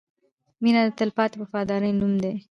• مینه د تلپاتې وفادارۍ نوم دی.